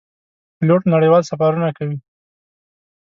پیلوټ نړیوال سفرونه کوي.